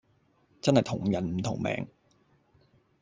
真係同人唔同命